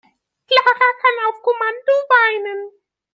Clara kann auf Kommando weinen.